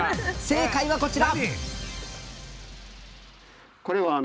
正解はこちら！